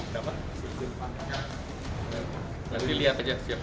terima kasih pak